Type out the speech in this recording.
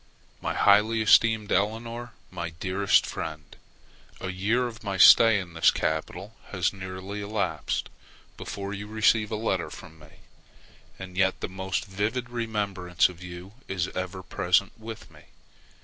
MY HIGHLY ESTEEMED ELEONORE, MY DEAREST FRIEND, A year of my stay in this capital has nearly elapsed before you receive a letter from me, and yet the most vivid remembrance of you is ever present with me.